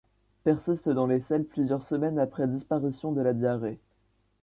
Persiste dans les selles plusieurs semaines après disparition de la diarrhée.